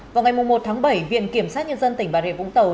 vào ngày một tháng bảy viện kiểm sát nhân dân tỉnh bà rịa vũng tàu